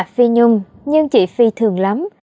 phi nhung nhưng chị phi thường lắm